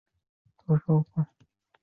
长鼻松鼠属等之数种哺乳动物。